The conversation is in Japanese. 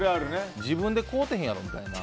自分で買うてへんやろみたいな。